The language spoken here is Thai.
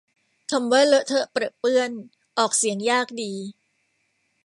คำว่าเลอะเทอะเปรอะเปื้อน ออกเสียงยากดี